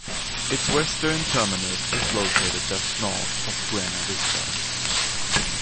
Its western terminus is located just north of Buena Vista.